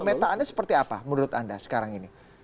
pemetaannya seperti apa menurut anda sekarang ini